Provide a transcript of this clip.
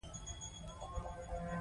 څوک د نجونو د زدهکړو ملاتړ کوي؟